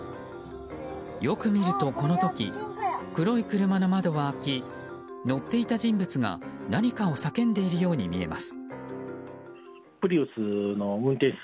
よく見るとこの時黒い車の窓は開き乗っていた人物が何かを叫んでいるように見えます。